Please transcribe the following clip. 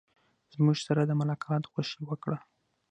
زموږ سره د ملاقات خوښي وکړه.